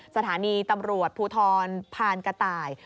สถานีตำรวจภูทรพานกระต่าย